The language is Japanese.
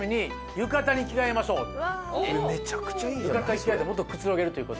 浴衣に着替えたらもっとくつろげるということ。